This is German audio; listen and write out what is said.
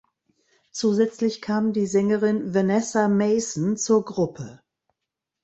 Zusätzlich kam die Sängerin Vanessa Mason zur Gruppe.